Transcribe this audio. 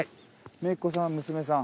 姪っ子さん娘さん。